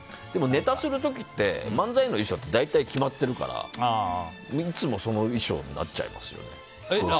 ネタする時って漫才の衣装って大体決まってるからいつも、その衣装になっちゃいますね。